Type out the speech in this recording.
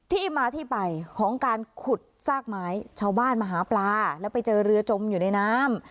ที่มาที่ไปของการขุดซากไม้ชาวบ้านมาหาปลาแล้วไปเจอเรือจมอยู่ในน้ำ